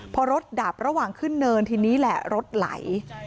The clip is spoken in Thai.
พอรถดับระหว่างขึ้นเนินทีนี้แหละรถไหล